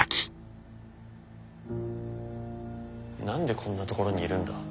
何でこんなところにいるんだ？